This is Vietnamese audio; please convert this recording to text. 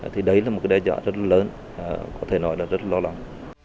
thì đấy là một đe dọa rất lớn có thể nói là rất lo lắng